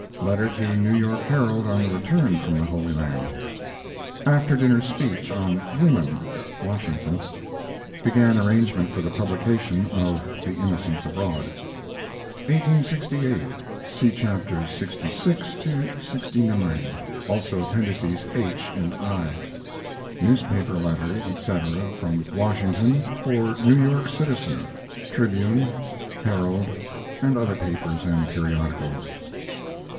Letter to New York Herald on the return from the Holy Land. After dinner speech on "Women" (Washington). Began arrangement for the publication of THE INNOCENTS ABROAD. 1868. (See Chapters lxvi to lxix; also Appendices H and I.) Newspaper letters, etc., from Washington, for New York Citizen, Tribune, Herald, and other papers and periodicals.